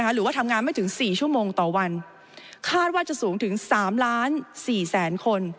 หรือว่าทำงานไม่ถึง๔ชั่วโมงต่อวันคาดว่าจะสูงถึง๓ล้าน๔แสนคน